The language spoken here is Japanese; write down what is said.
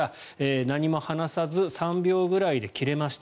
何も話さず３秒くらいで切れました。